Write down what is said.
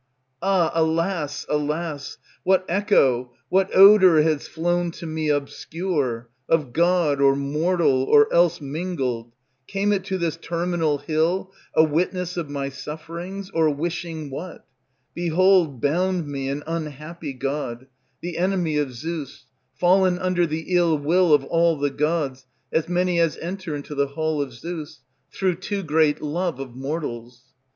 ah! alas! alas! What echo, what odor has flown to me obscure, Of god, or mortal, or else mingled, Came it to this terminal hill A witness of my sufferings, or wishing what? Behold bound me an unhappy god, The enemy of Zeus, fallen under The ill will of all the gods, as many as Enter into the hall of Zeus, Through too great love of mortals.